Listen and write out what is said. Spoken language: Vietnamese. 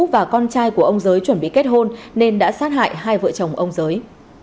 và con trai của ông giới chuẩn bị kết hôn nên đã sát hại hai vợ chồng ông giới